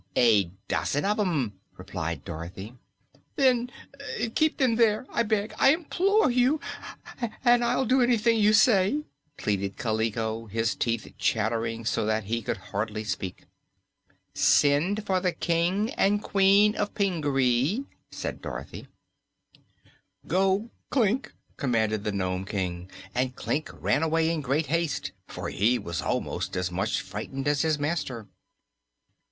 "A dozen of 'em," replied Dorothy. "Then keep them there I beg I implore you! and I'll do anything you say," pleaded Kaliko, his teeth chattering so that he could hardly speak. "Send for the King and Queen of Pingaree," said Dorothy. "Go, Klik," commanded the Nome King, and Klik ran away in great haste, for he was almost as much frightened as his master.